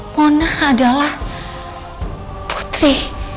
mona adalah putri